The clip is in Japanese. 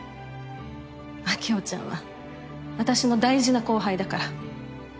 晶穂ちゃんは私の大事な後輩だから。